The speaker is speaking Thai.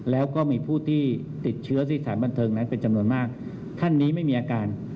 แล้วก็มีผู้ที่ติดเชื้อที่สถานบันเทิงนั้นเป็นจำนวนมากท่านนี้ไม่มีอาการ